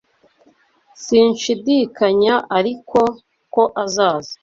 Sinshidikanya ariko ko azaza.